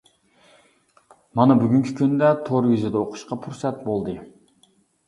مانا بۈگۈنكى كۈندە تور يۈزدە ئوقۇشقا پۇرسەت بولدى.